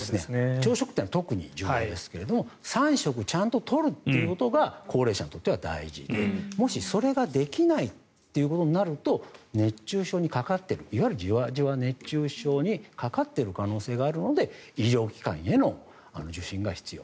朝食というのは特に重要ですが３食ちゃんと取るということが高齢者にとっては大事でもし、それができないということになると熱中症にかかっているいわゆる、じわじわ熱中症にかかっている可能性があるので医療機関への受診が必要。